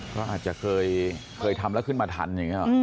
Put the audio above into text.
ก็อาจจะเคยทำแล้วขึ้นมาทันอย่างนี้หรอ